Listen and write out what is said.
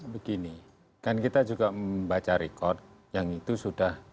begini kan kita juga membaca record yang itu sudah